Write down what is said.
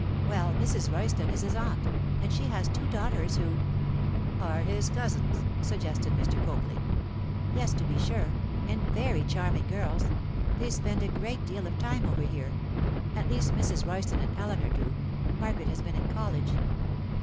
'Well, Mrs. Royston is his aunt, and she has two daughters who——' 'Are his cousins,' suggested Mr. Copley. 'Yes; to be sure, and very charming girls. They spend a great deal of time over here—at least Mrs. Royston and Eleanor do. Margaret has been in college.